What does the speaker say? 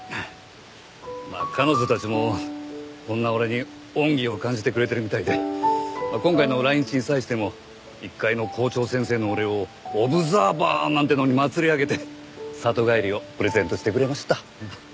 まあ彼女たちもこんな俺に恩義を感じてくれてるみたいで今回の来日に際しても一介の校長先生の俺をオブザーバーなんてのに祭り上げて里帰りをプレゼントしてくれました。